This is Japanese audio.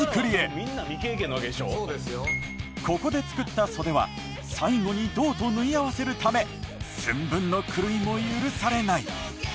ここで作った袖は最後に胴と縫い合わせるため寸分の狂いも許されない。